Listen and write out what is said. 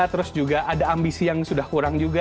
terus juga ada ambisi yang sudah kurang juga